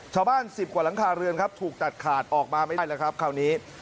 สิบกว่าหลังคาเรือนครับถูกตัดขาดออกมาไม่ได้แล้วครับคราวนี้